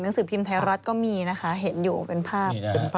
สือพิมพ์ไทยรัฐก็มีนะคะเห็นอยู่เป็นภาพ